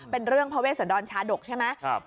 เป็นเรื่องพระเวสดรชาดกใช่ไหม